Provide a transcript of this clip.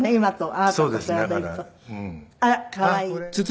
あら可愛い。